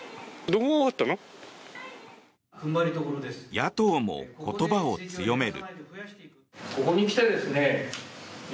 野党も言葉を強める。